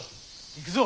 行くぞ。